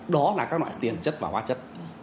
đó là các loại tiền chất và hóa chất